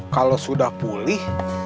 kalau sudah pulih